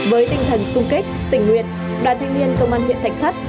với tinh thần sung kích tình nguyện đoàn thanh niên công an huyện thạch thất